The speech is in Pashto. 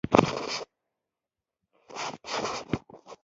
د ټولنیزو بدلونونو مخکښان ځوانان دي.